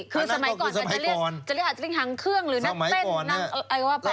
คือสมัยก่อนอาจจะเรียกฮังเครื่องหรือนักเต้นนั่งอะไรก็ว่าไป